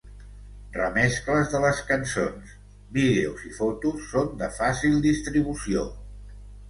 Remescles de les cançons, vídeos i fotos són de fàcil distribució.